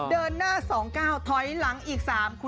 เดินหน้า๒เก้าถอยหลังอีก๓